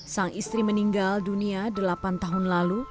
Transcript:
sang istri meninggal dunia delapan tahun lalu